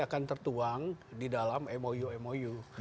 akan tertuang di dalam mou mou